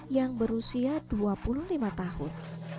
yang berusia dua puluh lima tahun